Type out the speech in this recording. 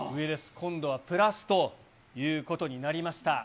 今度はプラスということになりました。